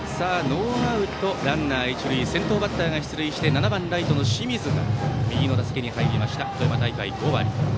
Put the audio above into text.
ノーアウトランナー、一塁先頭バッターが出塁して７番ライト、清水が打席に入りました。